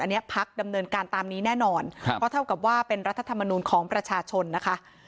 อันนี้พักดำเนินการตามนี้แน่นอนครับเพราะเท่ากับว่าเป็นรัฐธรรมนูลของประชาชนนะคะ